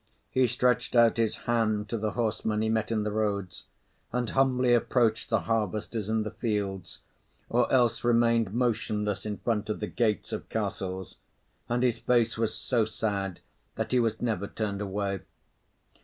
He stretched out his hand to the horsemen he met in the roads, and humbly approached the harvesters in the fields; or else remained motionless in front of the gates of castles; and his face was so sad that he was never turned away.